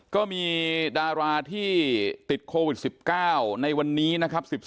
ก็มีดาราที่ติดโควิด๑๙ในวันนี้นะครับ